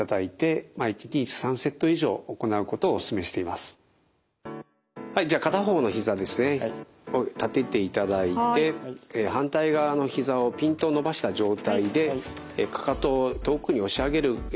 でこれをはいじゃあ片方のひざですねを立てていただいて反対側のひざをピンと伸ばした状態でかかとを遠くに押し上げるようにゆっくり上げます。